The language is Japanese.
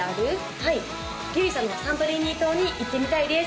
はいギリシャのサントリーニ島に行ってみたいです